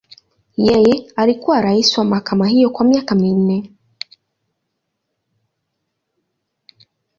Yeye alikuwa rais wa mahakama hiyo kwa miaka minne.